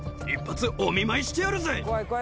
「一発お見舞いしてやるぜ！」